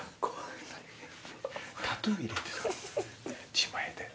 自前で。